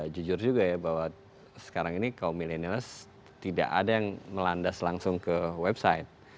jujur juga ya bahwa sekarang ini kaum milenial tidak ada yang melandas langsung ke website